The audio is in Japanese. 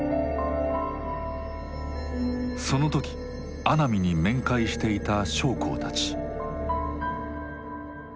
その時阿南に面会していた将校たち。